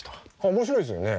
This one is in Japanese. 面白いですよね。